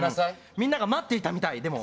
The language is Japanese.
みんなが待っていたみたいでも。